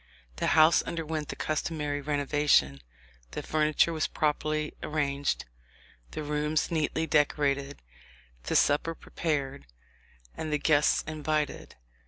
The house underwent the customary renovation; the furniture was properly arranged, the rooms neatly decorated, the supper prepared, and the guests invited.